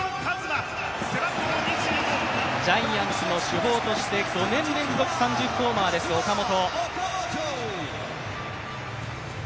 ジャイアンツの主砲として５年連続３０ホーマーです、岡本。